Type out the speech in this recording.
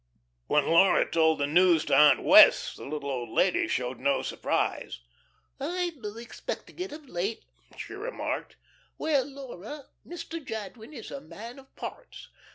When Laura told the news to Aunt Wess' the little old lady showed no surprise. "I've been expecting it of late," she remarked. "Well, Laura, Mr. Jadwin is a man of parts.